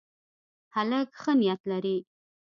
هلک ښه نیت لري.